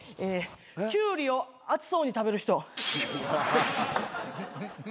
キュウリを熱そうに食べる人。